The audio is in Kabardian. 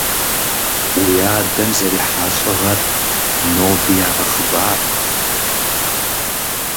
Уи адэм зэрихьа лӀыгъэр ноби ягъэхъыбар.